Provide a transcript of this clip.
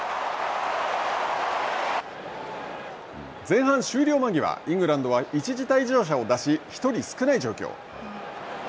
前半終了間際イングランドは一時退場者を出し１人少ない状況。